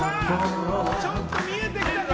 ちょっと見えてきたか！